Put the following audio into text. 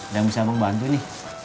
udah bisa aku bantu nih